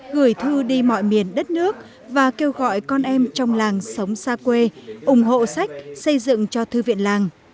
gửi thư đi mọi miền đất nước và kêu gọi con em trong làng sống xa quê ủng hộ sách xây dựng cho thư viện làng